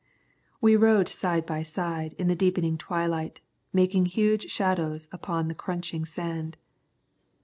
We rode side by side in the deepening twilight, making huge shadows on the crunching sand.